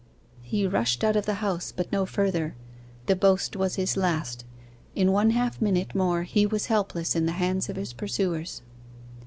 He rushed out of the house, but no further. The boast was his last. In one half minute more he was helpless in the hands of his pursuers.